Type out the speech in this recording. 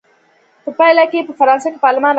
په پایله کې یې په فرانسه کې پارلمان رامنځته شو.